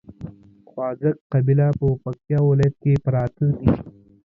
خواځک قبيله په پکتیا ولايت کې پراته دي